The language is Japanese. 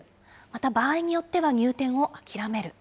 また場合によっては、入店を諦める。